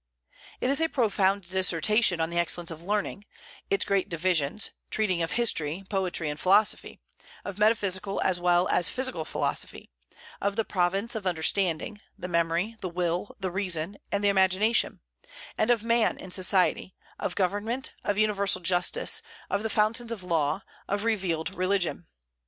It is a profound dissertation on the excellence of learning; its great divisions treating of history, poetry, and philosophy, of metaphysical as well as physical philosophy; of the province of understanding, the memory, the will, the reason, and the imagination; and of man in society, of government, of universal justice, of the fountains of law, of revealed religion.